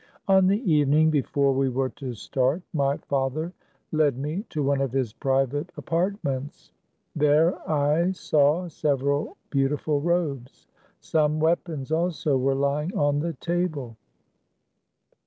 On the evening before we were to start, my father led me to one of his private apartments. There I saw several beautiful robes ; some weap ons also were lying on the table.